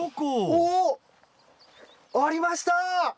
おお！ありました！